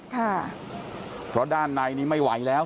ค่ะเพราะด้านในนี้ไม่ไหวแล้ว